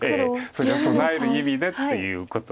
それに備える意味でということで。